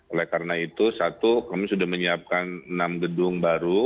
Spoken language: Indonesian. oleh karena itu satu kami sudah menyiapkan enam gedung baru